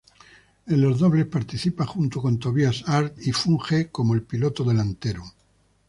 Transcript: En los dobles, participa junto con Tobias Arlt y funge como el piloto delantero.